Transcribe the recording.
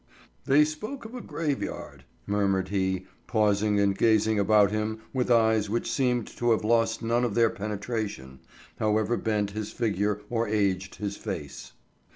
"They spoke of a graveyard," murmured he, pausing and gazing about him with eyes which seemed to have lost none of their penetration, however bent his figure or aged his face.